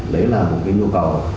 đấy là một cái nhu cầu